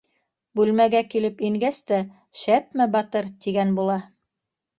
Бүлмәгә килеп ингәс тә: «Шәпме, батыр!» -тигән була.